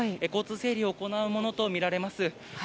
交通整理を行うものとみられます。